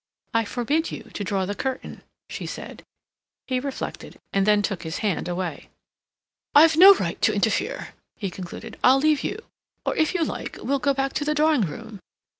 "I forbid you to draw the curtain," she said. He reflected, and then took his hand away. "I've no right to interfere," he concluded. "I'll leave you. Or, if you like, we'll go back to the drawing room."